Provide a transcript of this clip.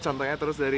contohnya terus dari